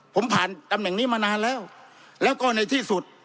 ผมผ่านตำแหน่งนี้มานานแล้วแล้วก็ในที่สุด